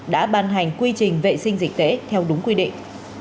đã ban hành quy trình vệ sinh dịch tễ theo đúng quy định